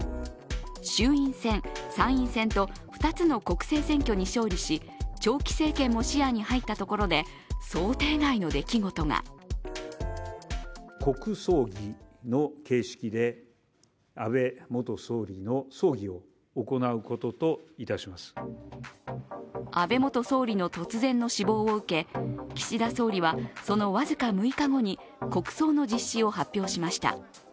衆院選、参院選と２つの国政選挙に勝利し長期政権も視野に入ったところで想定外の出来事が安倍元総理の突然の死亡を受け、岸田総理はその僅か６日後に国葬の実施を発表しました。